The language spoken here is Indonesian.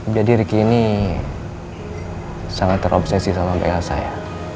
jadi riki ini sangat terobsesi sama mbak elsa ya